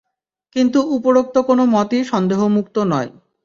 কিন্তু উপরোক্ত কোন মতই সন্দেহমুক্ত নয়।